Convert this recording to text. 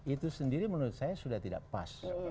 itu sendiri menurut saya sudah tidak pas